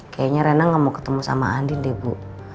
kayaknya rena gak mau ketemu sama andin deh bu